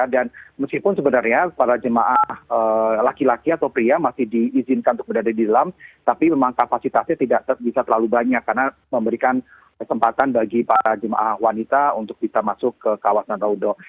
dan meskipun sebenarnya para jemaah laki laki atau pria masih diizinkan untuk berada di dalam tapi memang kapasitasnya tidak bisa terlalu banyak karena memberikan kesempatan bagi para jemaah wanita untuk bisa masuk ke kawasan raudoh